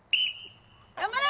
頑張れ！